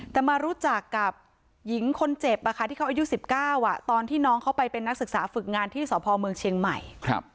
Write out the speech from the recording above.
แต่มารู้จักกับหญิงคนเจ็บที่เขาอายุ๑๙ตอนที่น้องเขาไปเป็นนักศึกษาฝึกงานที่สพเมืองเชียงใหม่